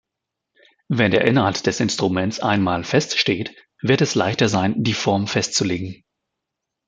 Wenn der Inhalt des Instruments einmal feststeht, wird es leichter sein, die Form festzulegen.